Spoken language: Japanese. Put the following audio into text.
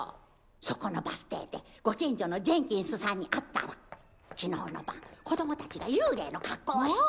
そこのバス停でご近所のジェンキンスさんに会ったら昨日の晩子どもたちが幽霊の格好をして。